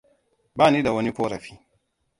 Bani da wani korafi.